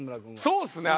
そうっすね。